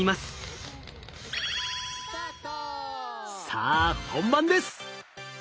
さあ本番です。